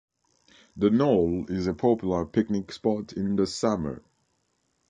The knoll is a popular picnic spot in the summer.